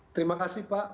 terima kasih pak